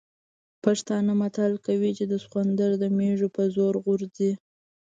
پښتانه متل کوي چې سخوندر د مېږوي په زور غورځي.